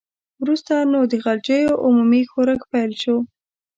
وروسته نو د غلجیو عمومي ښورښ پیل شو.